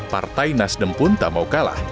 partai nasdem pun tak mau kalah